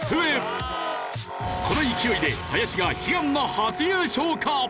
この勢いで林が悲願の初優勝か！？